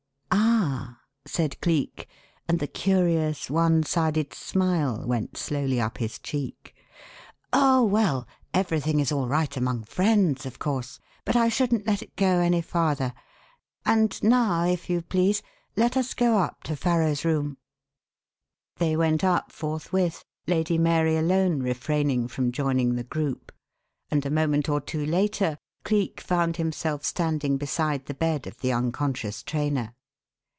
"Ah!" said Cleek and the curious, one sided smile went slowly up his cheek. "Oh, well, everything is all right among friends, of course, but I shouldn't let it go any farther. And now, if you please, let us go up to Farrow's room." They went up forthwith Lady Mary alone refraining from joining the group and a moment or two later Cleek found himself standing beside the bed of the unconscious trainer.